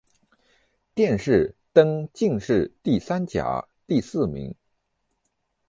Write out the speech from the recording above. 殿试登进士第三甲第四名。